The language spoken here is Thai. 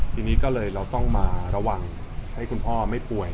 ทีนี้ก็เลยเราต้องมาระวังให้คุณพ่อไม่ป่วย